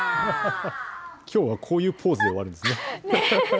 きょうはこういうポーズで終わるんですね。